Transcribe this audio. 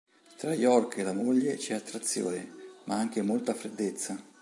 Tra Yorke e la moglie c'è attrazione; ma anche molta freddezza.